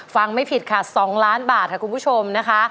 ไม่ผิดค่ะ๒ล้านบาทค่ะคุณผู้ชมนะคะ